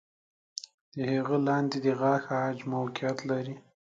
د هغه لاندې د غاښ عاج موقعیت لري.